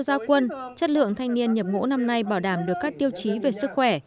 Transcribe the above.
gia quân chất lượng thanh niên nhập ngũ năm nay bảo đảm được các tiêu chí về sức khỏe